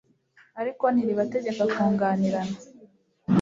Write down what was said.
ariko ntiribategeka kunganirana